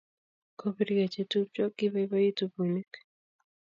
Kobirgei chetupcho kibaibaitu buniik